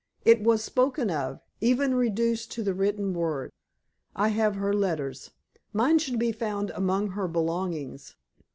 It was spoken of, even reduced to the written word. I have her letters. Mine should be found among her belongings.